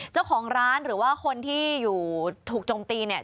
เจ้าของร้านหรือว่าคนที่อยู่ถูกจมตีเนี่ย